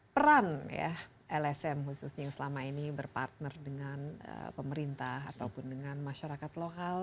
peran ya lsm khususnya yang selama ini berpartner dengan pemerintah ataupun dengan masyarakat lokal